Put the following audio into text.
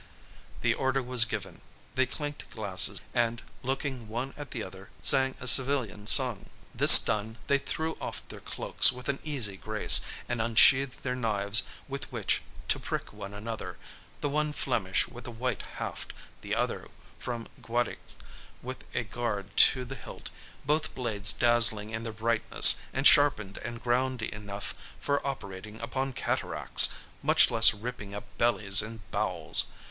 The order was given, they clinked glasses, and, looking one at the other, sang a Sevillian song. This done, they threw off their cloaks with an easy grace, and unsheathed their knives with which to prick one another, the one Flemish with a white haft, the other from Guadix, with a guard to the hilt, both blades dazzling in their brightness, and sharpened and ground enough for operating upon cataracts, much less ripping up bellies and bowels.